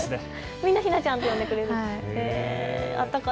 みんな、ひなちゃんと呼んでくれるんですか。